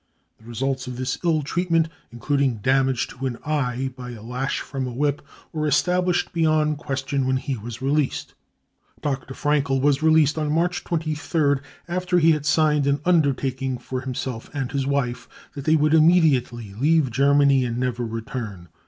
The results of this ill treatment, including damage to an eye by a lash from a whip, were established beyond question when he was released. Dr. Fraenkel was released, on March 23rd, after he had signed an undertaking for himself and his wife, that they would immediately leave Germany and never return.